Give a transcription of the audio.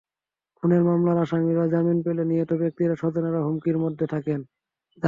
খুনের মামলার আসামিরা জামিন পেলে নিহত ব্যক্তির স্বজনেরা হুমকির মধ্যে থাকেন।